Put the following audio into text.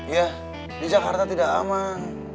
ya di jakarta tidak aman